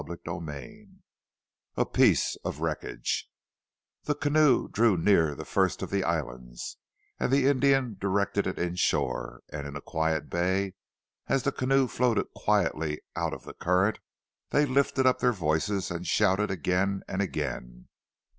CHAPTER IV A PIECE OF WRECKAGE The canoe drew near the first of the islands and the Indian directed it inshore and in a quiet bay as the canoe floated quietly out of the current, they lifted up their voices and shouted again and again.